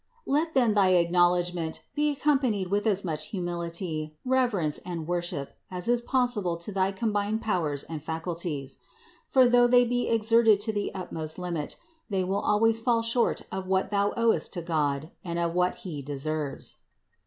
156. Let then thy acknowledgment be accompanied with as much humility, reverence and worship as is pos sible to thy combined powers and faculties ; for though they be exerted to the utmost limit, they will always fall short of what thou owest to God and of what He THE INCARNATION 127 deserves.